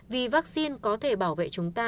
vì vaccine có thể bảo vệ chúng ta